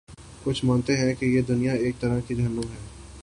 کچھ مانتے ہیں کہ یہ دنیا ایک طرح کا جہنم ہے۔